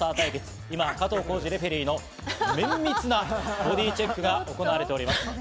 今、加藤浩次レフェリーの綿密なボディチェックが行われております。